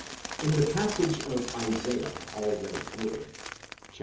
In the passage of Isaiah already quoted (xxxv.